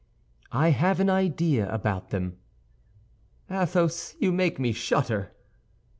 "I have an idea about them." "Athos, you make me shudder."